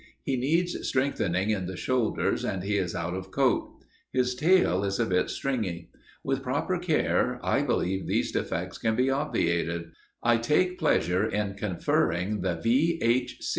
He needs strengthening in the shoulders and he is out of coat. His tail is a bit stringy. With proper care, I believe these defects can be obviated. I take pleasure in conferring the V.